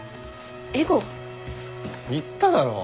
言っただろう？